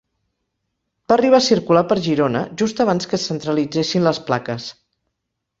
Va arribar a circular per Girona, just abans que es centralitzessin les plaques.